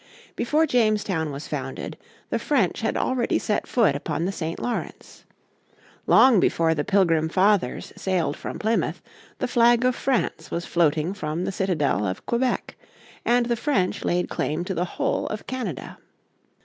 Before Jamestown was founded the French had already set foot upon the St. Lawrence. Long before the Pilgrim Fathers sailed from Plymouth the flag of France was floating from the citadel of Quebec; and the French laid claim to the whole of Canada.